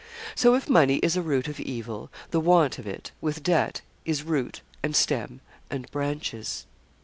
So if money is a root of evil, the want of it, with debt, is root, and stem, and branches.